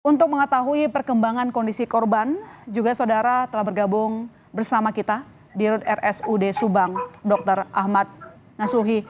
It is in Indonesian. untuk mengetahui perkembangan kondisi korban juga saudara telah bergabung bersama kita di rsud subang dr ahmad nasuhi